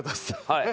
はい。